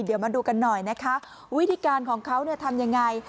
เดี๋ยวมาดูกันหน่อยนะคะวิธีการของเขาเนี่ยทำยังไง